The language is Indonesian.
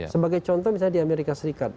sebagai contoh misalnya di amerika serikat